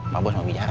pak bos mau bicara